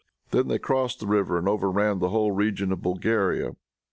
They then crossed the river, and overran the whole region of Bulgaria.